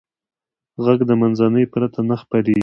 غږ د منځنۍ پرته نه خپرېږي.